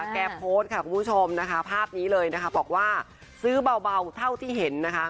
โพสต์ค่ะคุณผู้ชมนะคะภาพนี้เลยนะคะบอกว่าซื้อเบาเท่าที่เห็นนะคะ